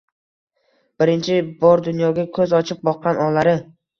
Birinchi bor dunyoga ko‘z ochib boqqan onlari